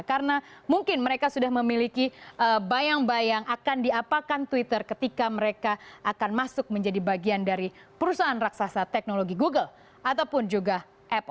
karena mungkin mereka sudah memiliki bayang bayang akan diapakan twitter ketika mereka akan masuk menjadi bagian dari perusahaan raksasa teknologi google ataupun juga apple